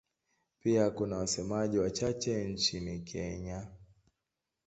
Pia kuna wasemaji wachache nchini Kenya.